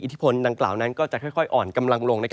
ที่พลดังกล่าวนั้นก็จะค่อยอ่อนกำลังลง